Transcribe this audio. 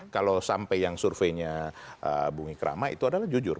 kalau sampai yang surveinya bung ikrama itu adalah jujur